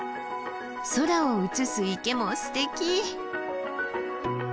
空を映す池もすてき！